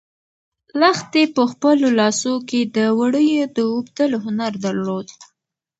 لښتې په خپلو لاسو کې د وړیو د اوبدلو هنر درلود.